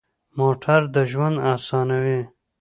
موټر د ژوند اسانوي.